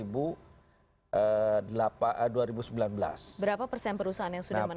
berapa persen perusahaan yang sudah menaati itu